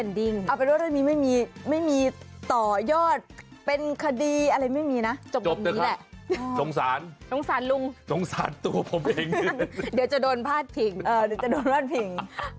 นี่แหละสงสารสงสารตัวผมเองเดี๋ยวจะโดนพลาดผิงตะวัง